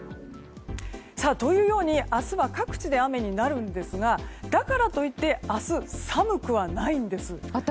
というように、明日は各地で雨になるんですがだからといって明日、寒くはないんです。